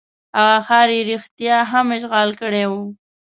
هغه ښار یې رښتیا هم اشغال کړی وو.